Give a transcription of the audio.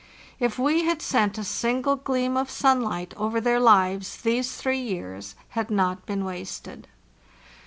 If we had sent a single gleam of sunlight over their lives, these three years had not been wasted.